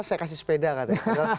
saya kasih sepeda katanya